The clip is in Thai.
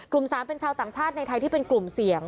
๓เป็นชาวต่างชาติในไทยที่เป็นกลุ่มเสี่ยง